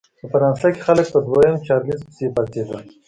په فرانسه کې خلک په دویم چارلېز پسې پاڅېدل.